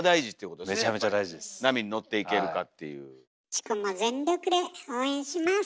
チコも全力で応援します！